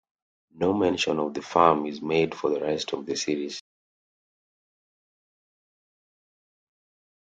No mention of the farm is made for the rest of the series.